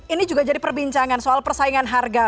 ini juga jadi perbincangan soal persaingan harga